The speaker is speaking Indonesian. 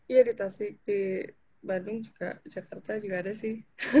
iya di tasik di bandung juga jakarta juga ada sih